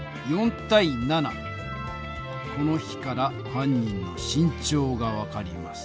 この比から犯人の身長が分かります。